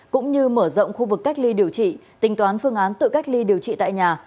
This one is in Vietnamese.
cũng như mở rộng khu vực cách ly điều trị tính toán phương án tự cách ly điều trị tại nhà